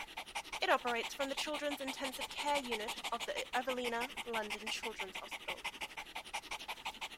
It operates from the children's intensive care unit of the Evelina London Children's Hospital.